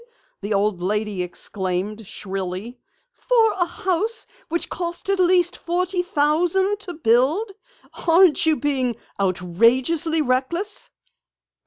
the old lady exclaimed shrilly. "For a house which cost at least forty thousand to build! Aren't you being outrageously reckless?"